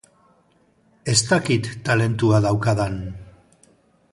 Ez dakit talentua daukadan.